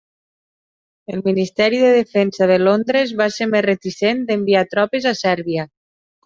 El Ministeri de Defensa de Londres va ser més reticent d'enviar tropes a Sèrbia.